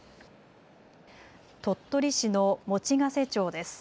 鳥取市の用瀬町です。